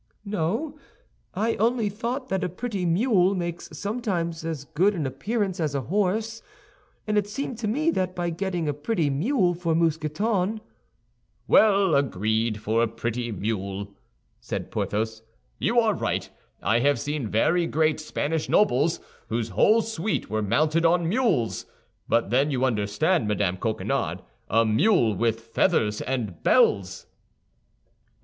"No; I only thought that a pretty mule makes sometimes as good an appearance as a horse, and it seemed to me that by getting a pretty mule for Mousqueton—" "Well, agreed for a pretty mule," said Porthos; "you are right, I have seen very great Spanish nobles whose whole suite were mounted on mules. But then you understand, Madame Coquenard, a mule with feathers and bells."